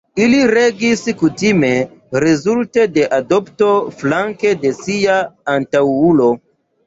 Ili regis kutime rezulte de adopto flanke de sia antaŭulo.